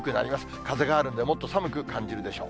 風があるんで、もっと寒く感じるでしょう。